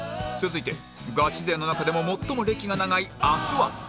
続いてガチ勢の中でも最も歴が長い阿諏訪